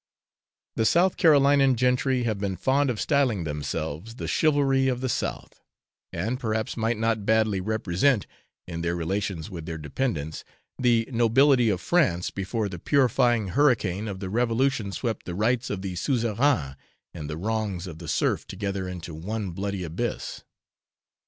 The South Carolinan gentry have been fond of styling themselves the chivalry of the South, and perhaps might not badly represent, in their relations with their dependents, the nobility of France before the purifying hurricane of the Revolution swept the rights of the suzerain and the wrongs of the serf together into one bloody abyss.